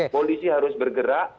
polisi harus bergerak